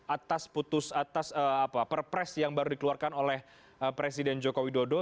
atas putus atas perpres yang baru dikeluarkan oleh presiden joko widodo